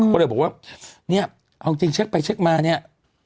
ก็เลยบอกว่าเนี่ยเอาจริงเช็คไปเช็คมาเนี่ย